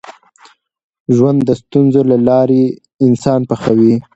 ژوند د ستونزو له لارې انسان پخوي.